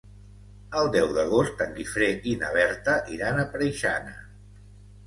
El deu d'agost en Guifré i na Berta iran a Preixana.